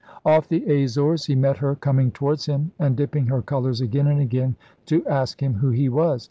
Off the Azores he met her coming towards him and dipping her colors again and again to ask him who he was.